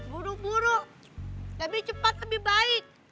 buru buru tapi cepat lebih baik